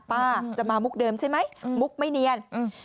ป้าจะมามุกเดิมใช่ไหมมุกไม่เนียน